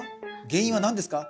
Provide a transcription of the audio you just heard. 原因は何ですか？